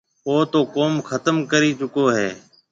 او تو ڪوم ختم ڪريَ چڪو هيَ۔